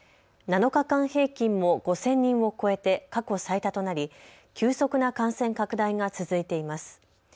７日間平均も５０００人を超えて過去最多となり急速な感染拡大が続いています。